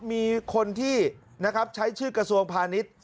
มีคนที่ใช้ชื่อกระทรวงพาณิชย์